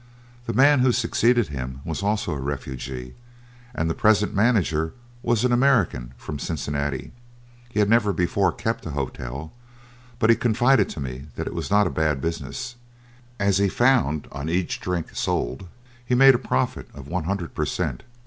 The man who succeeded him was also a refugee, and the present manager was an American from Cincinnati. He had never before kept a hotel, but he confided to me that it was not a bad business, as he found that on each drink sold he made a profit of a hundred per cent.